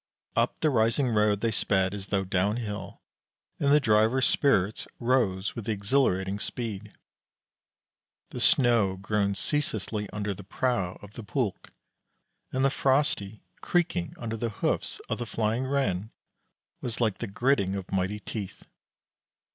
Up the rising road they sped as though downhill, and the driver's spirits rose with the exhilarating speed. The snow groaned ceaselessly under the prow of the pulk, and the frosty creaking under the hoofs of the flying Ren was like the gritting of mighty teeth.